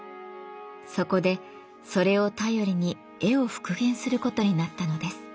そこでそれを頼りに絵を復元することになったのです。